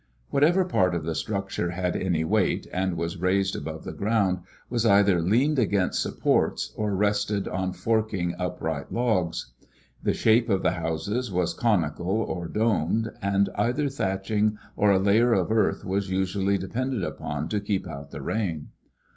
Whatever part of the structure had any weight and was raised above the ground was either leaned against supports or rested on forking upright logs. The shape of the houses was conical or domed, and either thatching or a layer of earth was usually depended upon to keep out the rain.